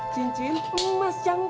cincin emas yang ku